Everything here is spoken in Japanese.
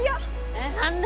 えっ何で？